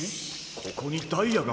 ここにダイヤが？